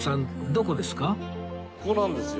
ここなんですよ。